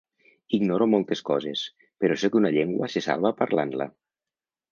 Ignoro moltes coses, però sé que una llengua se salva parlant-la.